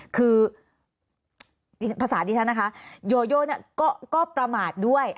คือภาษาดิฉันนะคะโยโยเนี่ยก็ประมาทด้วย